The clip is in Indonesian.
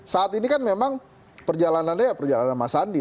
saat ini kan memang perjalanannya ya perjalanan mas andi